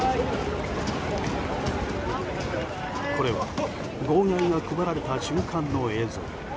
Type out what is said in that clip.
これは号外が配られた瞬間の映像。